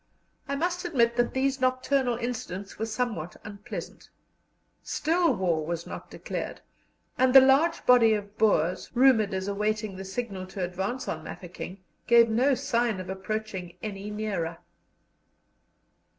I must admit that these nocturnal incidents were somewhat unpleasant. Still war was not declared, and the large body of Boers, rumoured as awaiting the signal to advance on Mafeking, gave no sign of approaching any nearer.